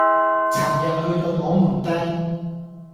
尋日去到摸門釘